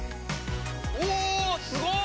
うおすごい！